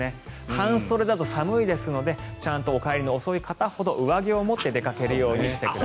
半袖だと寒いですのでちゃんとお帰りの遅い方ほど上着を持ってお出かけください。